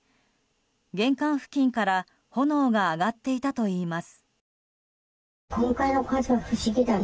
玄関付近から炎が上がっていたといいます。